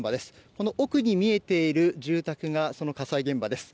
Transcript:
この奥に見えている住宅がその火災現場です。